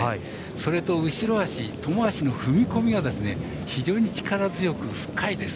それと後ろ脚、トモ脚の踏み込みが非常に力強く深いです。